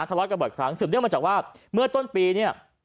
ทะเลาะกันบ่อยครั้งสืบเนื่องมาจากว่าเมื่อต้นปีเนี่ย